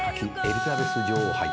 エリザベス女王杯。